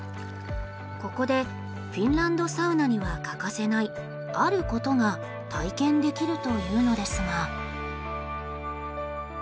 ここでフィンランドサウナには欠かせないあることが体験できるというのですが。